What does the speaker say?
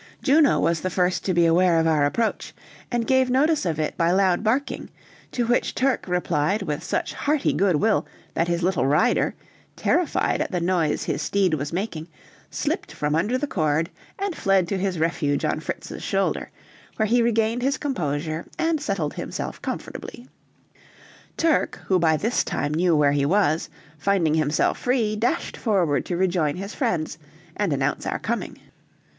Juno was the first to be aware of our approach, and gave notice of it by loud barking, to which Turk replied with such hearty good will, that his little rider, terrified at the noise his steed was making, slipped from under the cord and fled to his refuge on Fritz's shoulder, where he regained his composure and settled himself comfortably. Turk, who by this time knew where he was, finding himself free dashed forward to rejoin his friends, and announce our coming.